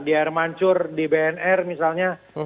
di air mancur di bnr misalnya